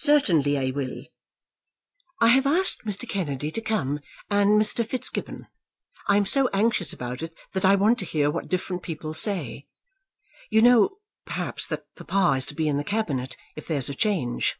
"Certainly I will." "I have asked Mr. Kennedy to come, and Mr. Fitzgibbon. I am so anxious about it, that I want to hear what different people say. You know, perhaps, that papa is to be in the Cabinet if there's a change."